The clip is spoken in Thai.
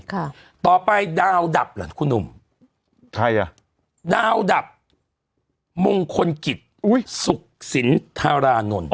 ค่ะต่อไปดาวดับเหรอคุณหนุ่มใครอ่ะดาวดับมงคลกิจอุ้ยสุขสินธารานนท์